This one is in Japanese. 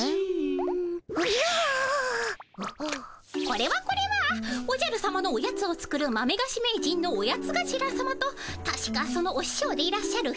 これはこれはおじゃるさまのオヤツを作る豆がし名人のオヤツがしらさまとたしかそのおししょうでいらっしゃる